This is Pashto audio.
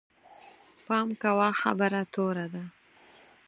پام کوه، خبره توره ده